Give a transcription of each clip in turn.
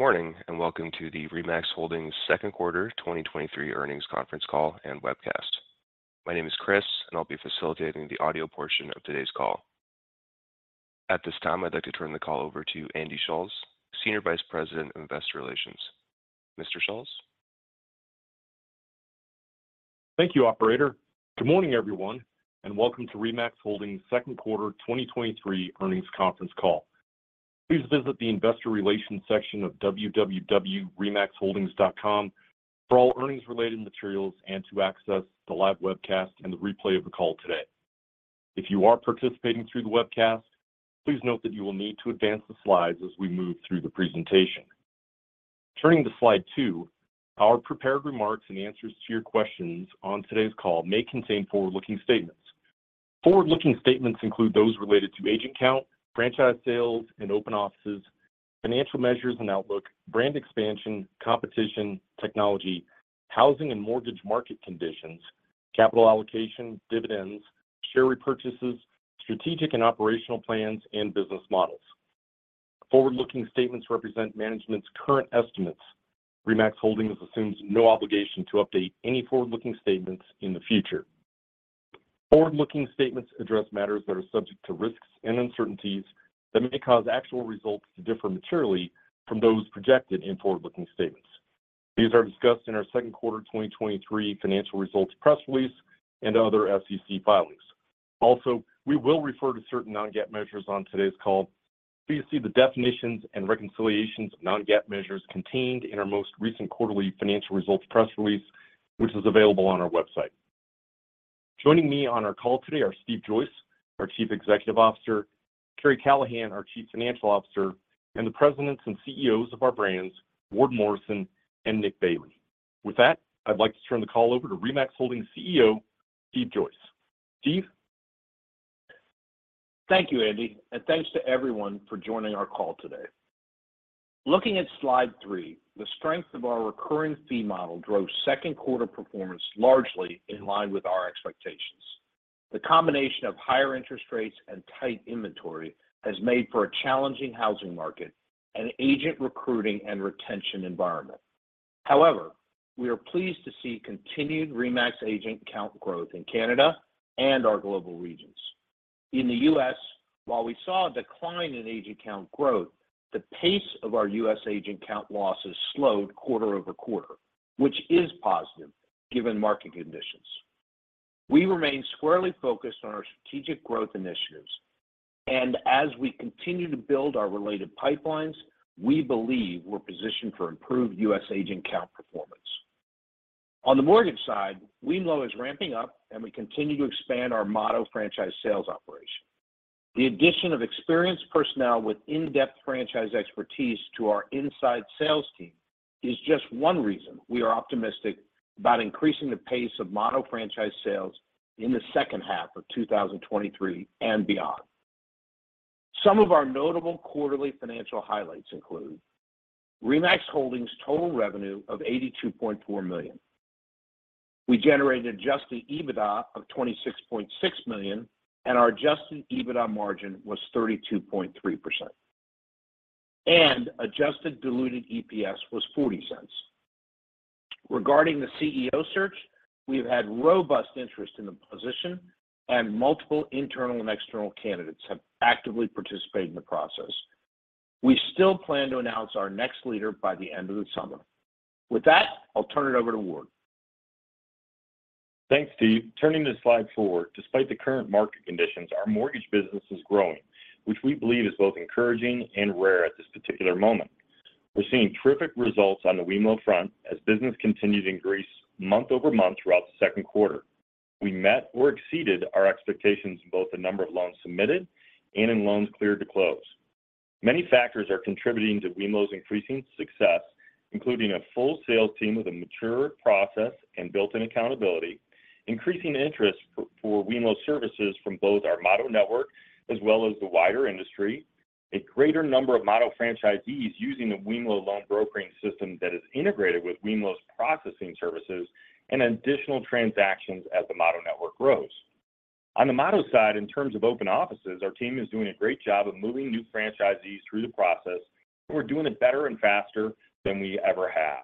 Good morning, and welcome to the RE/MAX Holdings Second Quarter 2023 Earnings Conference Call and Webcast. My name is Chris, and I'll be facilitating the audio portion of today's call. At this time, I'd like to turn the call over to Andy Schulz, Senior Vice President of Investor Relations. Mr. Schulz? Thank you, Operator. Good morning, everyone, and welcome to RE/MAX Holdings Second Quarter 2023 Earnings Conference Call. Please visit the Investor Relations section of www.remaxholdings.com for all earnings-related materials and to access the live webcast and the replay of the call today. If you are participating through the webcast, please note that you will need to advance the slides as we move through the presentation. Turning to Slide two, our prepared remarks and answers to your questions on today's call may contain forward-looking statements. Forward-looking statements include those related to agent count, franchise sales, and open offices, financial measures and outlook, brand expansion, competition, technology, housing and mortgage market conditions, capital allocation, dividends, share repurchases, strategic and operational plans, and business models. Forward-looking statements represent management's current estimates. RE/MAX Holdings assumes no obligation to update any forward-looking statements in the future. Forward-looking statements address matters that are subject to risks and uncertainties that may cause actual results to differ materially from those projected in forward-looking statements. These are discussed in our Second Quarter 2023 Earnings Conference Call and Webcast and other SEC filings. We will refer to certain non-GAAP measures on today's call. Please see the definitions and reconciliations of non-GAAP measures contained in our most recent quarterly financial results press release, which is available on our website. Joining me on our call today are Steve Joyce, our Chief Executive Officer, Karri Callahan, our Chief Financial Officer, and the presidents and CEOs of our brands, Ward Morrison and Nick Bailey. With that, I'd like to turn the call over to RE/MAX Holdings CEO, Steve Joyce. Steve? Thank you, Andy. Thanks to everyone for joining our call today. Looking at Slide three, the strength of our recurring fee model drove second quarter performance largely in line with our expectations. The combination of higher interest rates and tight inventory has made for a challenging housing market and agent recruiting and retention environment. However, we are pleased to see continued RE/MAX agent count growth in Canada and our global regions. In the U.S., while we saw a decline in agent count growth, the pace of our U.S. agent count losses slowed quarter-over-quarter, which is positive given market conditions. We remain squarely focused on our strategic growth initiatives, and as we continue to build our related pipelines, we believe we're positioned for improved U.S. agent count performance. On the mortgage side, wemlo is ramping up, and we continue to expand our Motto franchise sales operation. The addition of experienced personnel with in-depth franchise expertise to our inside sales team is just one reason we are optimistic about increasing the pace of Motto franchise sales in the second half of 2023 and beyond. Some of our notable quarterly financial highlights include: RE/MAX Holdings' total revenue of $82.4 million. We generated Adjusted EBITDA of $26.6 million, and our Adjusted EBITDA margin was 32.3%, and Adjusted Diluted EPS was $0.40. Regarding the CEO search, we've had robust interest in the position, and multiple internal and external candidates have actively participated in the process. We still plan to announce our next leader by the end of the summer. With that, I'll turn it over to Ward. Thanks, Steve. Turning to Slide four, despite the current market conditions, our mortgage business is growing, which we believe is both encouraging and rare at this particular moment. We're seeing terrific results on the wemlo front as business continues to increase month-over-month throughout the second quarter. We met or exceeded our expectations in both the number of loans submitted and in loans cleared to close. Many factors are contributing to wemlo's increasing success, including a full sales team with a mature process and built-in accountability, increasing interest for wemlo services from both our Motto network as well as the wider industry, a greater number of Motto franchisees using the wemlo loan brokering system that is integrated with wemlo's processing services, additional transactions as the Motto network grows. On the Motto side, in terms of open offices, our team is doing a great job of moving new franchisees through the process. We're doing it better and faster than we ever have.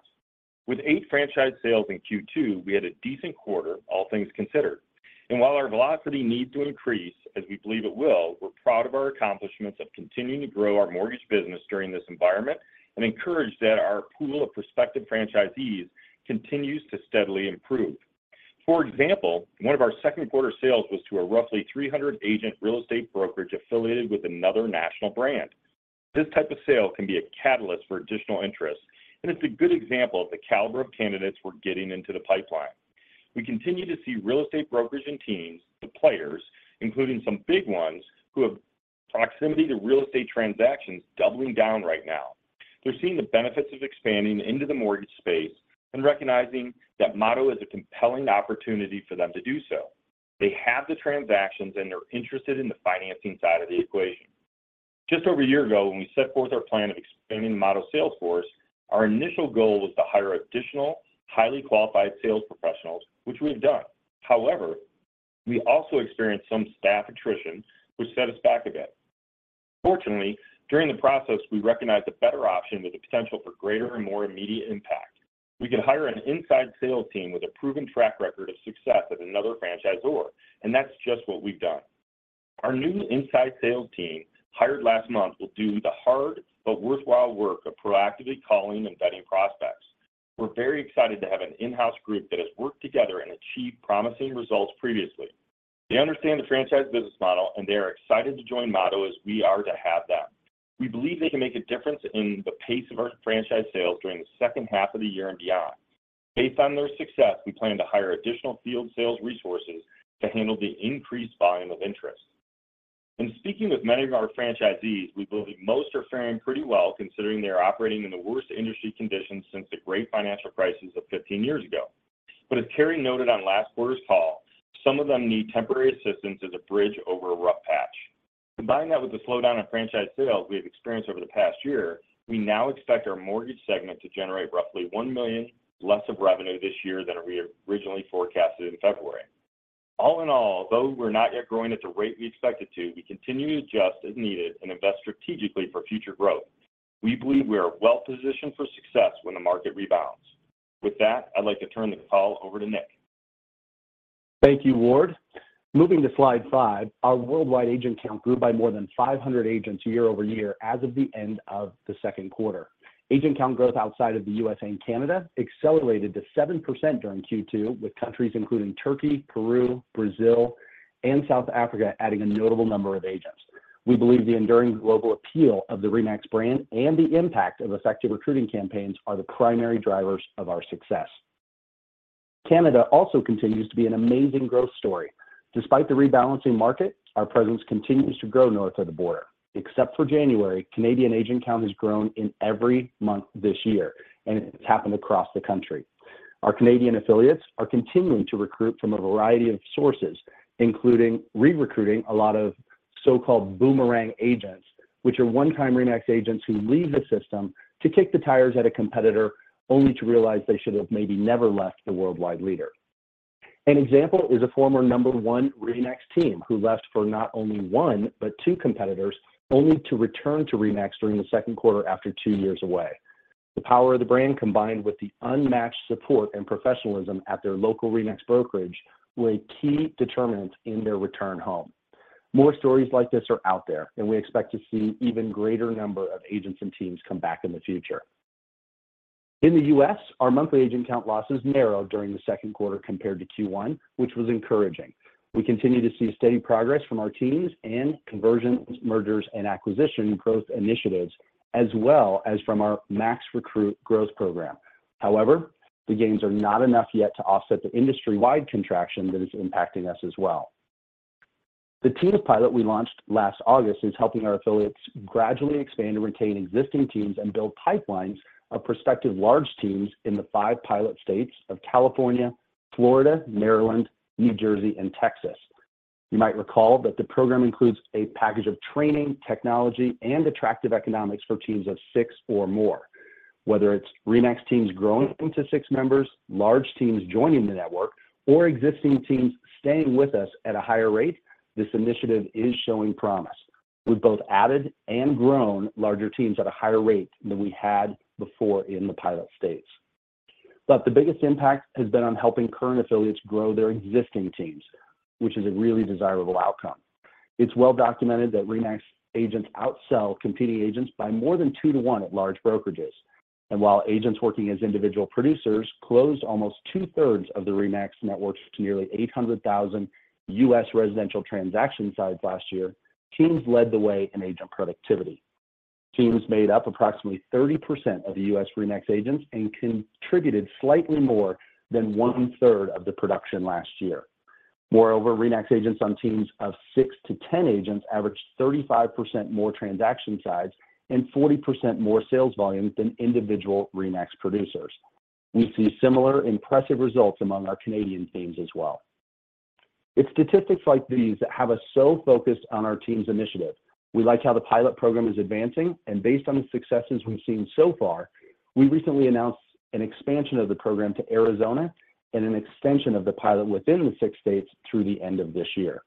With eight franchise sales in Q2, we had a decent quarter, all things considered. While our velocity needs to increase, as we believe it will, we're proud of our accomplishments of continuing to grow our mortgage business during this environment and encouraged that our pool of prospective franchisees continues to steadily improve. For example, one of our second quarter sales was to a roughly 300 agent real estate brokerage affiliated with another national brand. This type of sale can be a catalyst for additional interest, and it's a good example of the caliber of candidates we're getting into the pipeline. We continue to see real estate brokerage and teams, the players, including some big ones, who have proximity to real estate transactions, doubling down right now. They're seeing the benefits of expanding into the mortgage space and recognizing that Motto is a compelling opportunity for them to do so. They have the transactions, and they're interested in the financing side of the equation. Just over a year ago, when we set forth our plan of expanding the Motto sales force, our initial goal was to hire additional highly qualified sales professionals, which we've done. However, we also experienced some staff attrition, which set us back a bit. Fortunately, during the process, we recognized a better option with the potential for greater and more immediate impact. We could hire an inside sales team with a proven track record of success at another franchisor, and that's just what we've done. Our new inside sales team, hired last month, will do the hard but worthwhile work of proactively calling and vetting prospects. We're very excited to have an in-house group that has worked together and achieved promising results previously. They understand the franchise business model, and they are excited to join Motto as we are to have them. We believe they can make a difference in the pace of our franchise sales during the second half of the year and beyond. Based on their success, we plan to hire additional field sales resources to handle the increased volume of interest. In speaking with many of our franchisees, we believe most are faring pretty well, considering they are operating in the worst industry conditions since the Great Financial Crisis of 15 years ago. As Karri noted on last quarter's call, some of them need temporary assistance as a bridge over a rough patch. Combine that with the slowdown in franchise sales we have experienced over the past year, we now expect our mortgage segment to generate roughly $1 million less of revenue this year than we originally forecasted in February. All in all, though, we're not yet growing at the rate we expected to, we continue to adjust as needed and invest strategically for future growth. We believe we are well positioned for success when the market rebounds. With that, I'd like to turn the call over to Nick. Thank you, Ward. Moving to Slide five, our worldwide agent count grew by more than 500 agents year-over-year as of the end of the second quarter. Agent count growth outside of the U.S. and Canada accelerated to 7% during Q2, with countries including Turkey, Peru, Brazil, and South Africa adding a notable number of agents. We believe the enduring global appeal of the RE/MAX brand and the impact of effective recruiting campaigns are the primary drivers of our success. Canada also continues to be an amazing growth story. Despite the rebalancing market, our presence continues to grow north of the border. Except for January, Canadian agent count has grown in every month this year, and it's happened across the country. Our Canadian affiliates are continuing to recruit from a variety of sources, including re-recruiting a lot of so-called boomerang agents, which are one-time RE/MAX agents who leave the system to kick the tires at a competitor, only to realize they should have maybe never left the worldwide leader. An example is a former number one RE/MAX team, who left for not only one but two competitors, only to return to RE/MAX during the second quarter after two years away. The power of the brand, combined with the unmatched support and professionalism at their local RE/MAX brokerage, were a key determinant in their return home. More stories like this are out there, and we expect to see even greater number of agents and teams come back in the future. In the U.S., our monthly agent count losses narrowed during the second quarter compared to Q1, which was encouraging. We continue to see steady progress from our teams and conversions, mergers, and acquisition growth initiatives, as well as from our MAX/Recruit growth program. However, the gains are not enough yet to offset the industry-wide contraction that is impacting us as well. The team of pilot we launched last August is helping our affiliates gradually expand and retain existing teams and build pipelines of prospective large teams in the five pilot states of California, Florida, Maryland, New Jersey, and Texas. You might recall that the program includes a package of training, technology, and attractive economics for teams of six or more. Whether it's RE/MAX teams growing into six members, large teams joining the network, or existing teams staying with us at a higher rate, this initiative is showing promise. We've both added and grown larger teams at a higher rate than we had before in the pilot states. The biggest impact has been on helping current affiliates grow their existing teams, which is a really desirable outcome. It's well documented that RE/MAX agents outsell competing agents by more than two to one at large brokerages. While agents working as individual producers closed almost 2/3 of the RE/MAX networks to nearly 800,000 U.S. residential transaction sides last year, teams led the way in agent productivity. Teams made up approximately 30% of the U.S. RE/MAX agents and contributed slightly more than 1/3 of the production last year. Moreover, RE/MAX agents on teams of six to 10 agents averaged 35% more transaction sides and 40% more sales volume than individual RE/MAX producers. We see similar impressive results among our Canadian teams as well. It's statistics like these that have us so focused on our teams initiative. We like how the pilot program is advancing, and based on the successes we've seen so far, we recently announced an expansion of the program to Arizona and an extension of the pilot within the six states through the end of this year.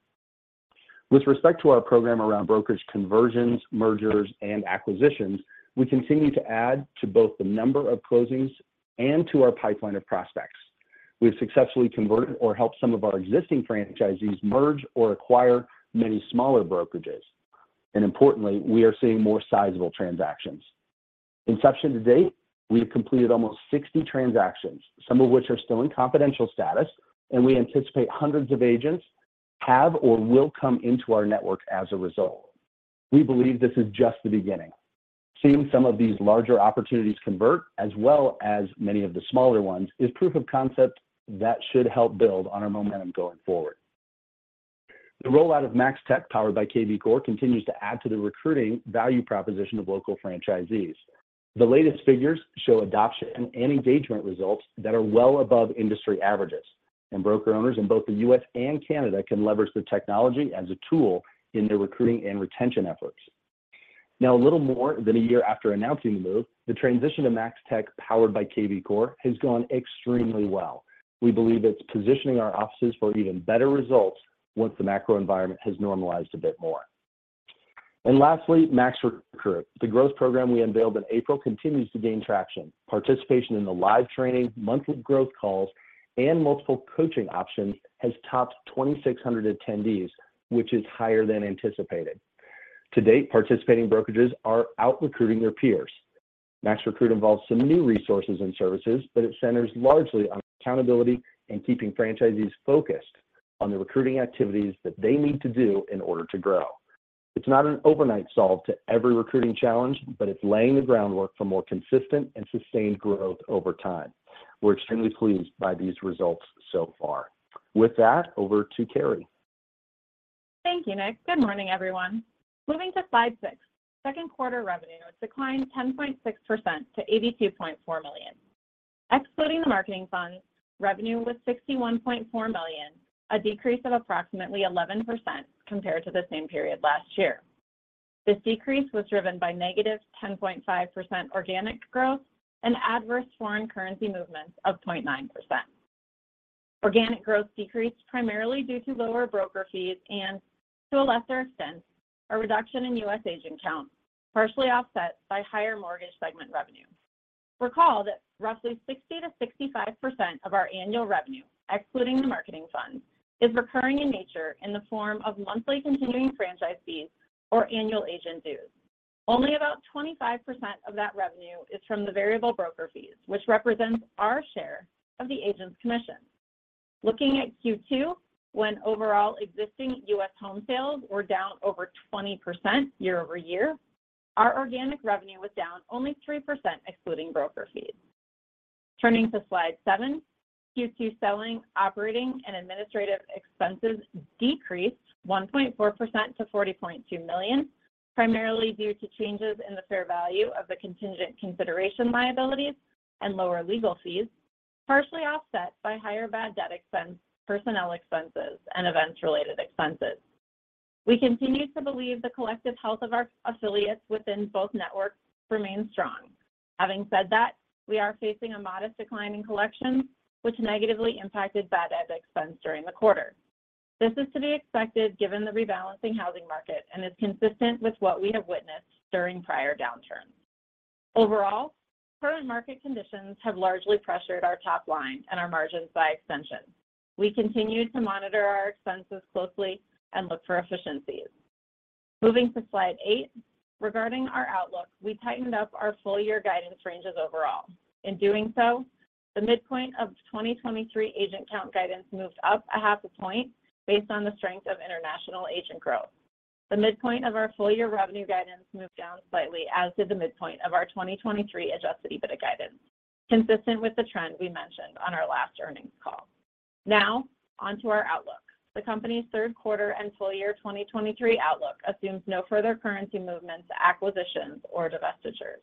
With respect to our program around brokerage conversions, mergers, and acquisitions, we continue to add to both the number of closings and to our pipeline of prospects. We've successfully converted or helped some of our existing franchisees merge or acquire many smaller brokerages. Importantly, we are seeing more sizable transactions. Inception to date, we have completed almost 60 transactions, some of which are still in confidential status, and we anticipate hundreds of agents have or will come into our network as a result. We believe this is just the beginning. Seeing some of these larger opportunities convert, as well as many of the smaller ones, is proof of concept that should help build on our momentum going forward. The rollout of MAX/Tech, powered by kvCORE, continues to add to the recruiting value proposition of local franchisees. The latest figures show adoption and engagement results that are well above industry averages, and broker owners in both the U.S. and Canada can leverage the technology as a tool in their recruiting and retention efforts. Now, a little more than a year after announcing the move, the transition to MAX/Tech, powered by kvCORE, has gone extremely well. We believe it's positioning our offices for even better results once the macro environment has normalized a bit more. Lastly, MAX/Recruit. The growth program we unveiled in April continues to gain traction. Participation in the live training, monthly growth calls, and multiple coaching options has topped 2,600 attendees, which is higher than anticipated. To date, participating brokerages are out-recruiting their peers. MAX/Recruit involves some new resources and services, but it centers largely on accountability and keeping franchisees focused on the recruiting activities that they need to do in order to grow. It's not an overnight solve to every recruiting challenge, but it's laying the groundwork for more consistent and sustained growth over time. We're extremely pleased by these results so far. With that, over to Karri. Thank you, Nick. Good morning, everyone. Moving to Slide 6, second quarter revenue declined 10.6% to $82.4 million. Excluding the marketing funds, revenue was $61.4 million, a decrease of approximately 11% compared to the same period last year. This decrease was driven by negative 10.5% organic growth and adverse foreign currency movements of 0.9%. Organic growth decreased primarily due to lower broker fees and, to a lesser extent, a reduction in U.S. agent count, partially offset by higher mortgage segment revenue. Recall that roughly 60%-65% of our annual revenue, excluding the marketing fund, is recurring in nature in the form of monthly continuing franchise fees or annual agent dues. Only about 25% of that revenue is from the variable broker fees, which represents our share of the agent's commission. Looking at Q2, when overall existing U.S. home sales were down over 20% year-over-year, our organic revenue was down only 3%, excluding broker fees. Turning to slide seven, Q2 selling, operating, and administrative expenses decreased 1.4% to $40.2 million, primarily due to changes in the fair value of the contingent consideration liabilities and lower legal fees, partially offset by higher bad debt expense, personnel expenses, and events-related expenses. We continue to believe the collective health of our affiliates within both networks remains strong. Having said that, we are facing a modest decline in collections, which negatively impacted bad debt expense during the quarter. This is to be expected given the rebalancing housing market and is consistent with what we have witnessed during prior downturns. Overall, current market conditions have largely pressured our top line and our margins by extension. We continue to monitor our expenses closely and look for efficiencies. Moving to Slide eight, regarding our outlook, we tightened up our full year guidance ranges overall. In doing so, the midpoint of 2023 agent count guidance moved up a half a point based on the strength of international agent growth. The midpoint of our full year revenue guidance moved down slightly, as did the midpoint of our 2023 Adjusted EBITDA guidance, consistent with the trend we mentioned on our last earnings call. On to our outlook. The company's third quarter and full year 2023 outlook assumes no further currency movements, acquisitions, or divestitures.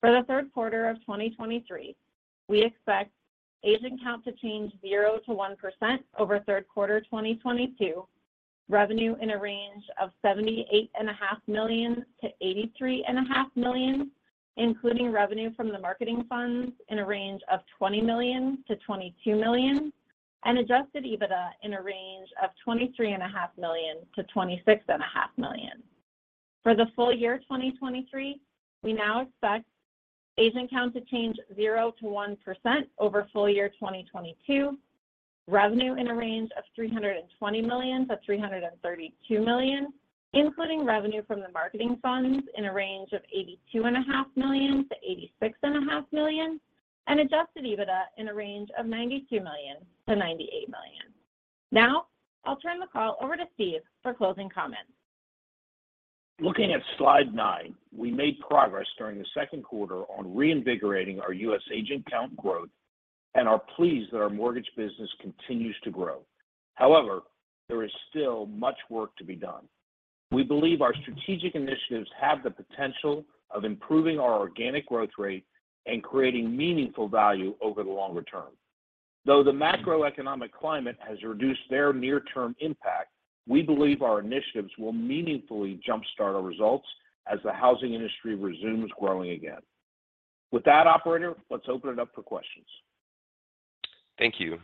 For the third quarter of 2023, we expect agent count to change 0%-1% over third quarter 2022. Revenue in a range of $78.5 million-$83.5 million, including revenue from the marketing funds in a range of $20 million-$22 million, and Adjusted EBITDA in a range of $23.5 million-$26.5 million. For the full year 2023, we now expect agent count to change 0%-1% over full year 2022. Revenue in a range of $320 million-$332 million, including revenue from the marketing funds in a range of $82.5 million-$86.5 million, and Adjusted EBITDA in a range of $92 million-$98 million. I'll turn the call over to Steve for closing comments. Looking at Slide nine, we made progress during the second quarter on reinvigorating our U.S. agent count growth and are pleased that our mortgage business continues to grow. There is still much work to be done. We believe our strategic initiatives have the potential of improving our organic growth rate and creating meaningful value over the longer term. The macroeconomic climate has reduced their near-term impact, we believe our initiatives will meaningfully jumpstart our results as the housing industry resumes growing again. With that, operator, let's open it up for questions. Thank you.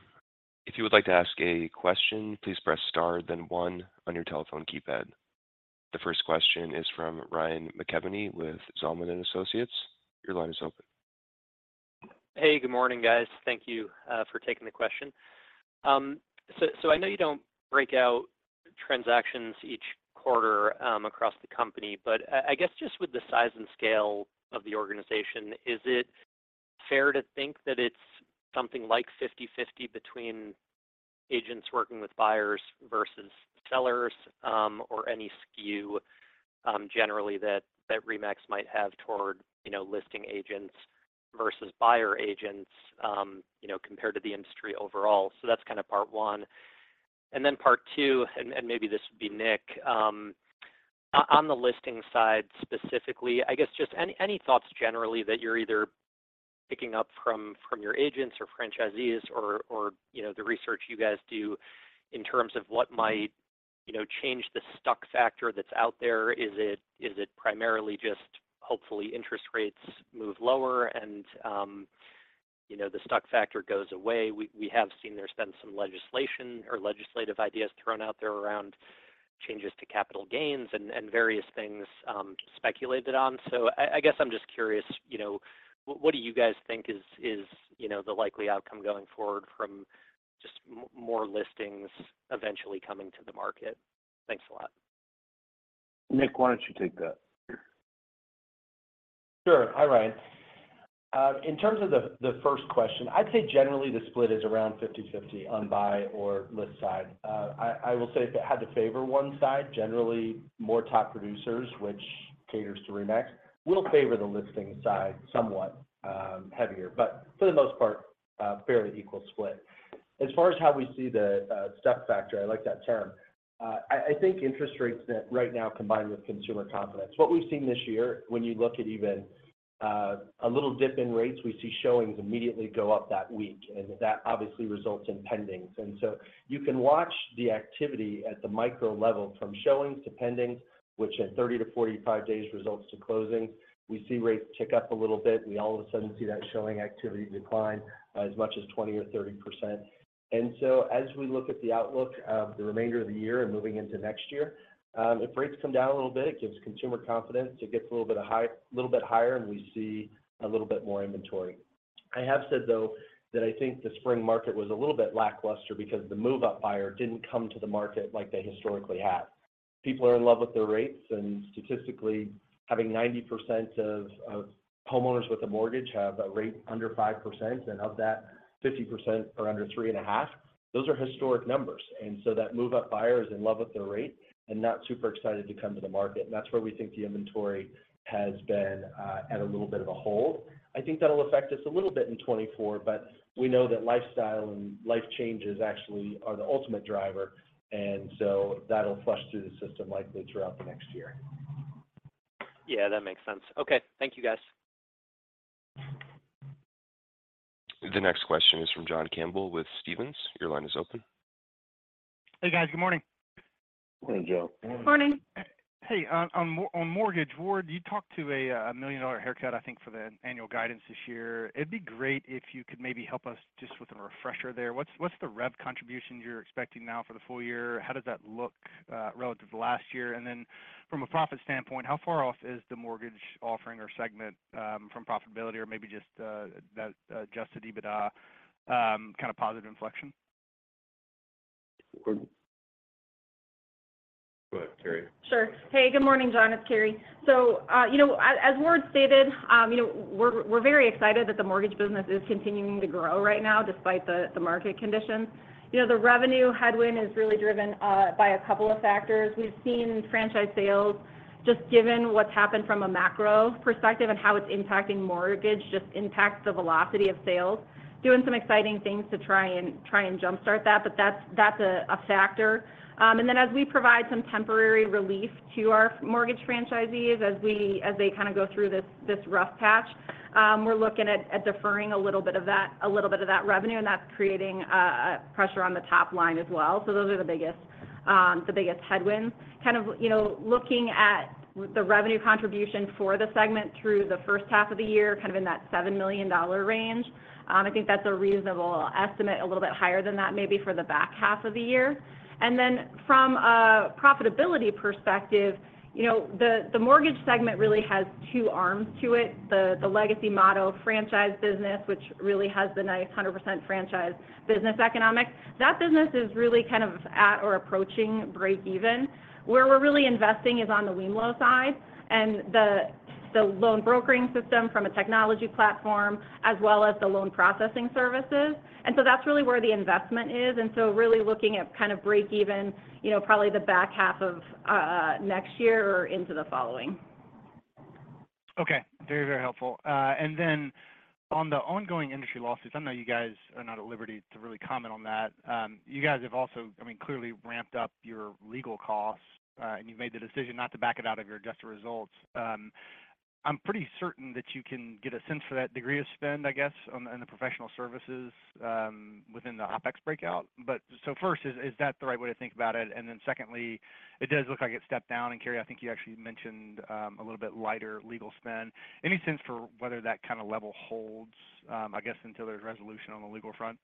If you would like to ask a question, please press star, then one on your telephone keypad. The first question is from Ryan McKeveny with Zelman & Associates. Your line is open. Hey, good morning, guys. Thank you for taking the question. I know you don't break out transactions each quarter across the company, but I, I guess just with the size and scale of the organization, is it fair to think that it's something like 50/50 between agents working with buyers versus sellers, or any skew generally that RE/MAX might have toward, you know, listing agents versus buyer agents, you know, compared to the industry overall? That's kind of part one. Part two, and maybe this would be Nick, on the listing side, specifically, I guess just any, any thoughts generally that you're either picking up from, from your agents or franchisees or, or, you know, the research you guys do in terms of what might, you know, change the stuck factor that's out there? Is it, is it primarily just hopefully interest rates move lower and, you know, the stuck factor goes away? We, we have seen there's been some legislation or legislative ideas thrown out there around changes to capital gains and, and various things, speculated on. I, I guess I'm just curious, you know, what, what do you guys think is, is, you know, the likely outcome going forward from just more listings eventually coming to the market? Thanks a lot. Nick, why don't you take that? Sure. Hi, Ryan. In terms of the first question, I'd say generally the split is around 50/50 on buy or list side. I, I will say, if it had to favor one side, generally more top producers, which caters to RE/MAX, will favor the listing side somewhat heavier, but for the most part, a fairly equal split. As far as how we see the stuck factor, I like that term. I, I think interest rates right now combine with consumer confidence. What we've seen this year, when you look at even a little dip in rates, we see showings immediately go up that week, and that obviously results in pendings. You can watch the activity at the micro level, from showings to pending, which in 30 to 45 days results to closing. We see rates tick up a little bit, we all of a sudden see that showing activity decline as much as 20% or 30%. So as we look at the outlook of the remainder of the year and moving into next year, if rates come down a little bit, it gives consumer confidence, it gets a little bit higher, and we see a little bit more inventory. I have said, though, that I think the spring market was a little bit lackluster because the move-up buyer didn't come to the market like they historically have. People are in love with their rates, and statistically, having 90% of homeowners with a mortgage have a rate under 5%, and of that, 50% are under 3.5%. Those are historic numbers. So that move-up buyer is in love with their rate and not super excited to come to the market. That's where we think the inventory has been at a little bit of a hold. I think that'll affect us a little bit in 2024. We know that lifestyle and life changes actually are the ultimate driver. So that'll flush through the system likely throughout the next year. Yeah, that makes sense. Okay. Thank you, guys. The next question is from John Campbell with Stephens. Your line is open. Hey, guys. Good morning. Morning, Joe. Morning. Hey, on mortgage, Ward, you talked to a $1 million haircut, I think, for the annual guidance this year. It'd be great if you could maybe help us just with a refresher there. What's the rev contribution you're expecting now for the full year? How does that look relative to last year? Then from a profit standpoint, how far off is the mortgage offering or segment from profitability or maybe just that Adjusted EBITDA kind of positive inflection? Ward? Go ahead, Karri. Sure. Hey, good morning, John, it's Karri. You know, as, as Ward stated, you know, we're, we're very excited that the mortgage business is continuing to grow right now despite the, the market conditions. You know, the revenue headwind is really driven by a couple of factors. We've seen franchise sales, just given what's happened from a macro perspective and how it's impacting mortgage, just impacts the velocity of sales. Doing some exciting things to try and, try and jumpstart that, but that's, that's a, a factor. And then as we provide some temporary relief to our mortgage franchisees, as we-- as they kind of go through this, this rough patch, we're looking at, at deferring a little bit of that, a little bit of that revenue, and that's creating pressure on the top line as well. Those are the biggest, the biggest headwinds. Kind of, you know, looking at the revenue contribution for the segment through the first half of the year, kind of in that $7 million range, I think that's a reasonable estimate, a little bit higher than that, maybe for the back half of the year. From a profitability perspective, you know, the mortgage segment really has two arms to it: the legacy Motto franchise business, which really has the nice 100% franchise business economics. That business is really kind of at or approaching breakeven. Where we're really investing is on the wemlo side and the loan brokering system from a technology platform, as well as the loan processing services. That's really where the investment is, and so really looking at kind of breakeven, you know, probably the back half of next year or into the following. Okay. Very, very helpful. And then on the ongoing industry lawsuits, I know you guys are not at liberty to really comment on that. You guys have also clearly ramped up your legal costs, and you've made the decision not to back it out of your adjusted results. I'm pretty certain that you can get a sense for that degree of spend on the, in the professional services within the OpEx breakout. First, is that the right way to think about it? And then secondly, it does look like it stepped down. And, Karri, I think you actually mentioned a little bit lighter legal spend. Any sense for whether that kind of level holds until there's resolution on the legal front?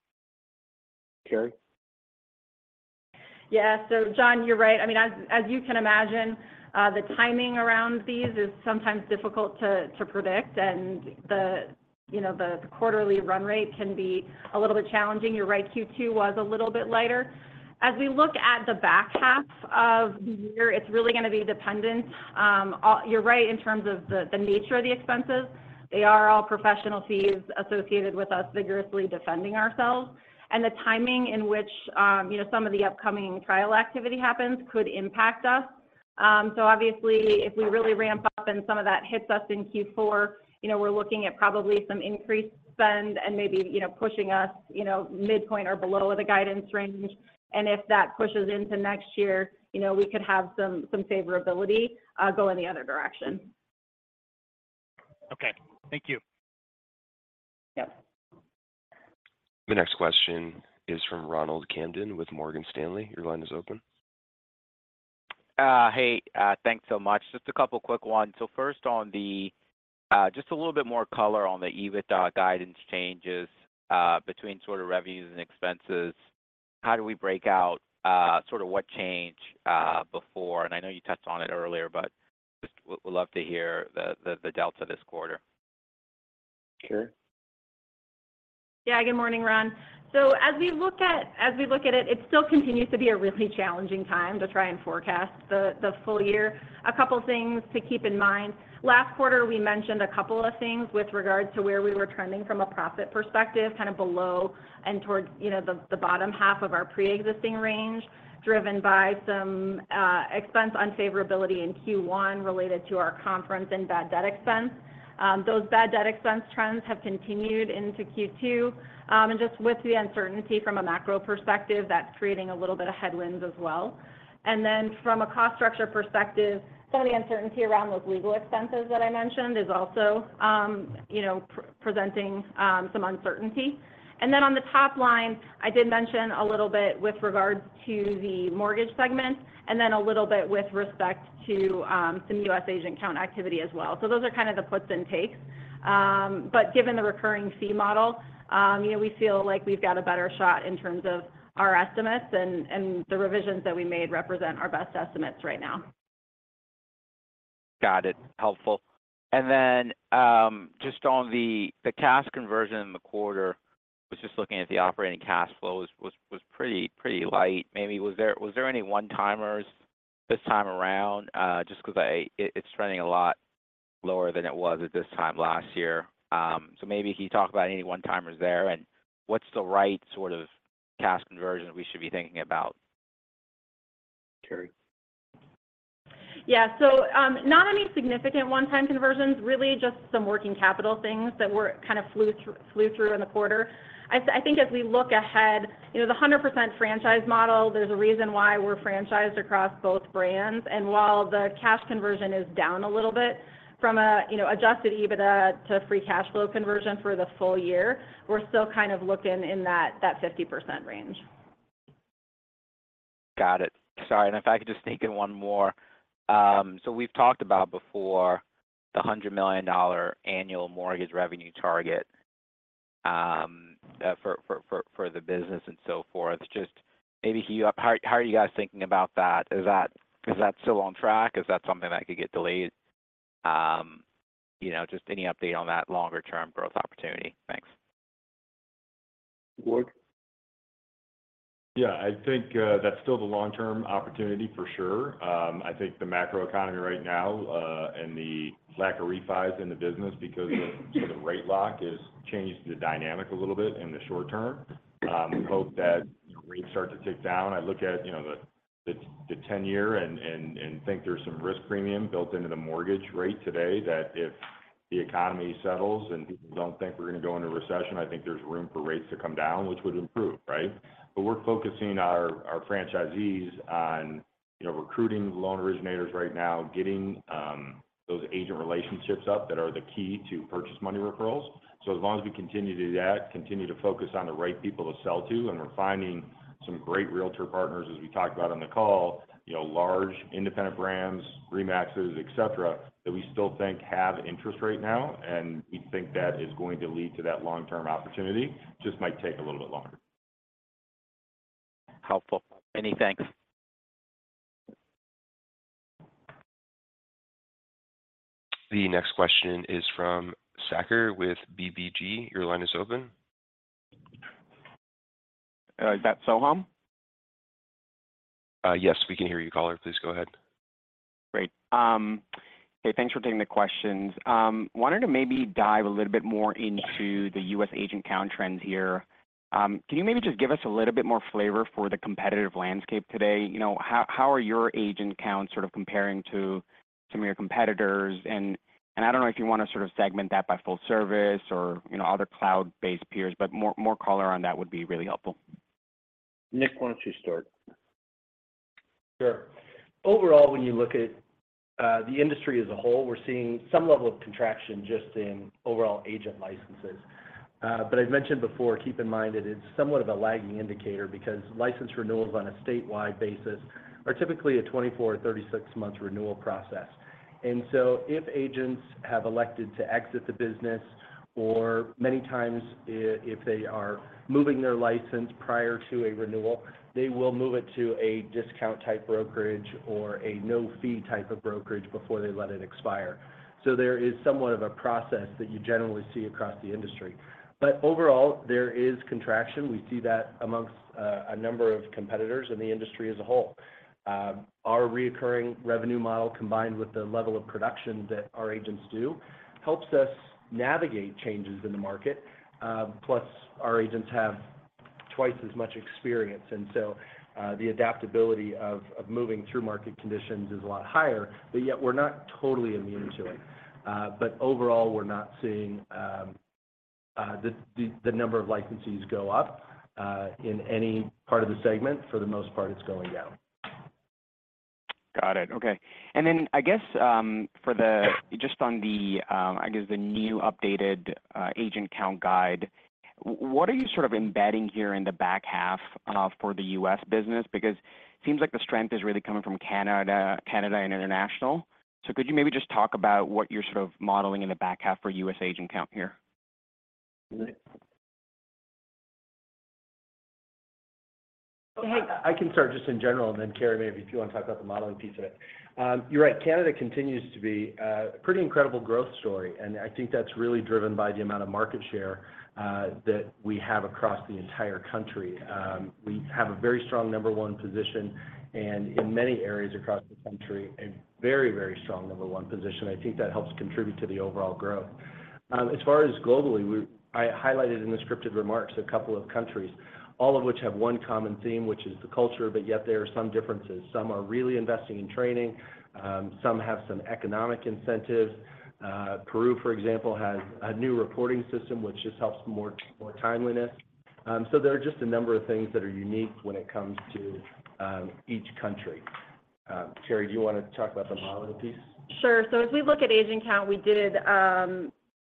Karri? John, you're right. I mean, as, as you can imagine, the timing around these is sometimes difficult to predict, and the, you know, the quarterly run rate can be a little bit challenging. You're right, Q2 was a little bit lighter. As we look at the back half of the year, it's really gonna be dependent, you're right, in terms of the nature of the expenses. They are all professional fees associated with us vigorously defending ourselves, and the timing in which, you know, some of the upcoming trial activity happens could impact us. Obviously, if we really ramp up and some of that hits us in Q4, you know, we're looking at probably some increased spend and maybe, you know, pushing us, you know, midpoint or below the guidance range. If that pushes into next year, you know, we could have some, some favorability, going the other direction. Okay, thank you. Yep. The next question is from Ronald Kamdem with Morgan Stanley. Your line is open. Hey, thanks so much. Just a couple quick ones. First on the just a little bit more color on the EBIT guidance changes between sort of revenues and expenses. How do we break out sort of what changed before? And I know you touched on it earlier, but just would love to hear the delta this quarter. Karri. Yeah. Good morning, Ron. As we look at it, it still continues to be a really challenging time to try and forecast the full year. A couple things to keep in mind. Last quarter, we mentioned a couple of things with regards to where we were trending from a profit perspective, kind of below and towards, you know, the bottom half of our preexisting range, driven by some expense unfavorability in Q1 related to our conference and bad debt expense. Those bad debt expense trends have continued into Q2. Just with the uncertainty from a macro perspective, that's creating a little bit of headwinds as well. Then from a cost structure perspective, some of the uncertainty around those legal expenses that I mentioned is also, you know, presenting some uncertainty. Then on the top line, I did mention a little bit with regards to the mortgage segment, and then a little bit with respect to some U.S. agent count activity as well. Those are kind of the puts and takes. Given the recurring fee model, you know, we feel like we've got a better shot in terms of our estimates, and, and the revisions that we made represent our best estimates right now. Got it. Helpful. Then, just on the cash conversion in the quarter, was just looking at the operating cash flow was pretty light. Maybe was there any one-timers this time around? Because it's running a lot lower than it was at this time last year. Maybe if you talk about any one-timers there, and what's the right sort of cash conversion we should be thinking about? Karri? Yeah. Not any significant one-time conversions, really just some working capital things that kind of flew through in the quarter. I think as we look ahead, you know, the 100% franchise model, there's a reason why we're franchised across both brands. While the cash conversion is down a little bit from a, you know, Adjusted EBITDA to free cash flow conversion for the full year, we're still kind of looking in that, that 50% range. Got it. Sorry, if I could just sneak in one more. We've talked about before the $100 million annual mortgage revenue target, the business and so forth. Maybe how, how are you guys thinking about that? Is that, is that still on track? Is that something that could get delayed? You know, just any update on that longer term growth opportunity. Thanks. Ward? Yeah. I think that's still the long-term opportunity for sure. I think the macro economy right now, and the lack of refis in the business because of the rate lock, has changed the dynamic a little bit in the short term. We hope that rates start to tick down. I look at, you know, the 10-year and think there's some risk premium built into the mortgage rate today, that if the economy settles and people don't think we're going to go into recession, I think there's room for rates to come down, which would improve, right? We're focusing our franchisees on, you know, recruiting loan originators right now, getting those agent relationships up that are the key to purchase money referrals. As long as we continue to do that, continue to focus on the right people to sell to, and we're finding some great realtor partners, as we talked about on the call, you know, large independent brands, RE/MAXes, et cetera, that we still think have interest right now, and we think that is going to lead to that long-term opportunity. Just might take a little bit longer. Helpful. Many thanks. The next question is from Saker with BTIG. Your line is open. Is that Soham? Yes, we can hear you, caller. Please go ahead. Great. Hey, thanks for taking the questions. Wanted to maybe dive a little bit more into the U.S. agent count trends here. Can you maybe just give us a little bit more flavor for the competitive landscape today? You know, how, how are your agent counts sort of comparing to some of your competitors? I don't know if you want to sort of segment that by full service or, you know, other cloud-based peers, but more, more color on that would be really helpful. Nick, why don't you start? Sure. Overall, when you look at the industry as a whole, we're seeing some level of contraction just in overall agent licenses. I've mentioned before, keep in mind that it's somewhat of a lagging indicator because license renewals on a statewide basis are typically a 24-36 month renewal process. If agents have elected to exit the business, or many times, if they are moving their license prior to a renewal, they will move it to a discount-type brokerage or a no-fee type of brokerage before they let it expire. There is somewhat of a process that you generally see across the industry. Overall, there is contraction. We see that amongst a number of competitors in the industry as a whole. Our reoccurring revenue model, combined with the level of production that our agents do, helps us navigate changes in the market. Plus, our agents have twice as much experience, and so, the adaptability of moving through market conditions is a lot higher, but yet we're not totally immune to it. Overall, we're not seeing the number of licensees go up in any part of the segment. For the most part, it's going down. Got it. Okay, I guess, for the, just on the, I guess the new updated agent count guide, what are you sort of embedding here in the back half for the U.S. business? Seems like the strength is really coming from Canada, Canada and international. Could you maybe just talk about what you're sort of modeling in the back half for U.S. agent count here? I, I can start just in general, then Karri, maybe if you want to talk about the modeling piece of it. You're right, Canada continues to be a pretty incredible growth story, I think that's really driven by the amount of market share that we have across the entire country. We have a very strong number one position, in many areas across the country, a very, very strong number one position. I think that helps contribute to the overall growth. As far as globally, we I highlighted in the scripted remarks a couple of countries, all of which have 1 common theme, which is the culture, yet there are some differences. Some are really investing in training, some have some economic incentives. Peru, for example, has a new reporting system, which just helps more, more timeliness. There are just a number of things that are unique when it comes to each country. Karri, do you want to talk about the modeling piece? Sure. As we look at agent count, we did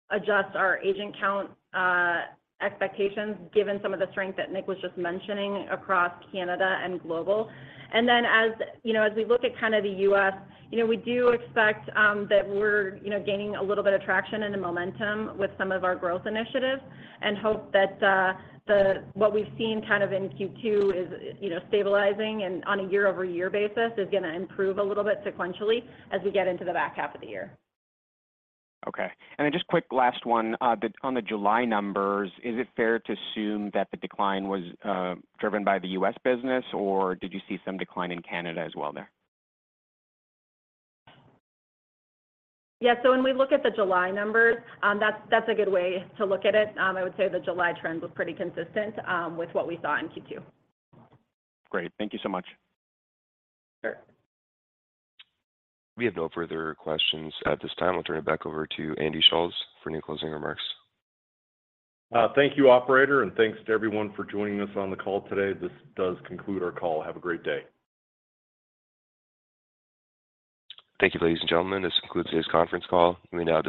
adjust our agent count expectations, given some of the strength that Nick was just mentioning across Canada and global. As, you know, as we look at kind of the U.S., you know, we do expect that we're, you know, gaining a little bit of traction and the momentum with some of our growth initiatives, and hope that what we've seen kind of in Q2 is, you know, stabilizing and on a year-over-year basis, is gonna improve a little bit sequentially as we get into the back half of the year. Okay. Just quick last one. On the July numbers, is it fair to assume that the decline was driven by the U.S. business, or did you see some decline in Canada as well there? When we look at the July numbers, that's, that's a good way to look at it. I would say the July trend was pretty consistent with what we saw in Q2. Great. Thank you so much. Sure. We have no further questions at this time. I'll turn it back over to Andy Schulz for any closing remarks. Thank you, Operator, and thanks to everyone for joining us on the call today. This does conclude our call. Have a great day. Thank you, ladies, and gentlemen. This concludes today's conference call. You may now disconnect.